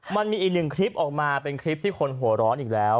มันมีอีกหนึ่งคลิปออกมาเป็นคลิปที่คนหัวร้อนอีกแล้ว